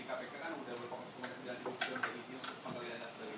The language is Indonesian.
untuk pengelolaan dan sebagainya